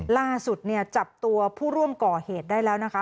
ล่าสุดเนี่ยจับตัวผู้ร่วมก่อเหตุได้แล้วนะคะ